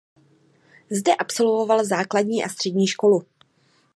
Zde absolvoval základní a střední školu.